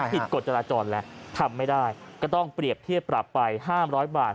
กฎจราจรแล้วทำไม่ได้ก็ต้องเปรียบเทียบปรับไป๕๐๐บาท